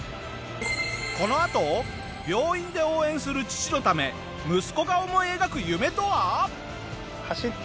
このあと病院で応援する父のため息子が思い描く夢とは？